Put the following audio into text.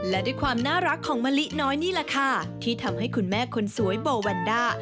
และด้วยความน่ารักของมะลิน้อยนี่แหละค่ะที่ทำให้คุณแม่คนสวยโบวันด้า